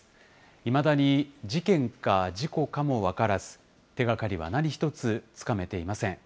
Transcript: いまだに事件か事故かも分からず、手がかりは何一つつかめていません。